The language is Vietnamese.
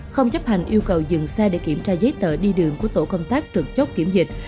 không chấp hành yêu cầu dừng xe để kiểm tra giấy tờ đi đường của tổ công tác trực chốt kiểm dịch